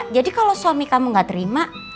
jadi kalau suami kamu gak terima